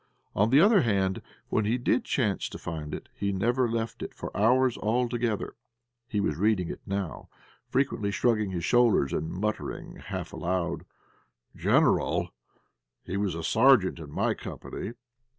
On the other hand, when he did chance to find it, he never left it for hours together. He was now reading it, frequently shrugging his shoulders, and muttering, half aloud "General! He was sergeant in my company.